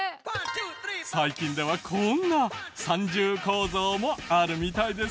最近ではこんな３重構造もあるみたいですよ。